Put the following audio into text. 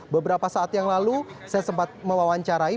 beberapa saat yang lalu saya sempat mewawancarai